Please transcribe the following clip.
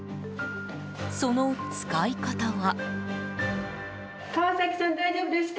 その使い方は？